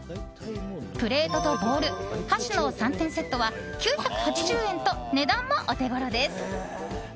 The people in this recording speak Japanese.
プレートとボウル箸の３点セットは９８０円と値段もオテゴロです。